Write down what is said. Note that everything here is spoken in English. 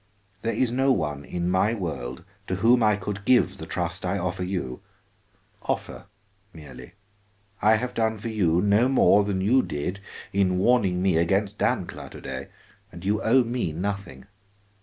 There is no one in my world to whom I could give the trust I offer you. Offer merely: I have done for you no more than you did in warning me against Dancla to day, and you owe me nothing.